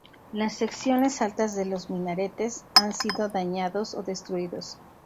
Las secciones altas de los minaretes han sido dañados o destruidos.